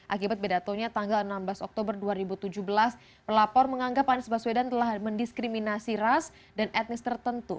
akibat bedatunya tanggal enam belas oktober dua ribu tujuh belas pelapor menganggap anies baswedan telah mendiskriminasi ras dan etnis tertentu